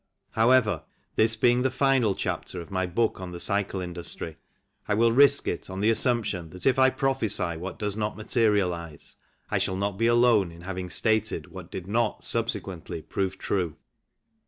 However, this being the final chapter of my book on the cycle industry, I will risk it on the assumption that if I prophesy what does not materialize, I shall not be alone in having stated what did not subsequently prove true.